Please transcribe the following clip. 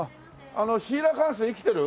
あのシーラカンス生きてる？